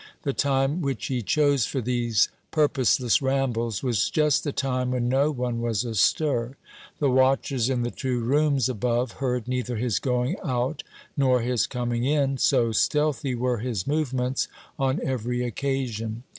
The time which he chose for these purposeless rambles was just the time when no one was astir. The watchers in the two rooms above heard neither his going out nor his coming in, so stealthy were his movements on every occasion.